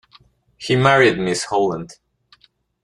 He married miss Holland.